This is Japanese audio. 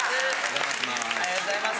ありがとうございます。